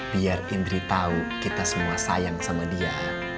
biar indri tahu kita semua sayang sama dia